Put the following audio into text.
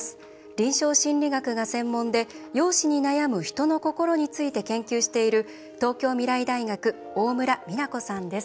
臨床心理学が専門で容姿に悩む人の心について研究している東京未来大学大村美菜子さんです。